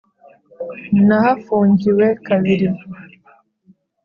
nahafungiwe kabiri,